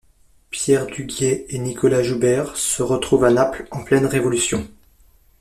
Pierre Duguied et Nicolas Joubert se retrouvent à Naples en pleine révolution.